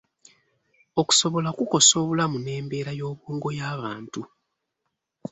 Okusobola kukosa obulamu n'embeera y'obwongo y'abantu.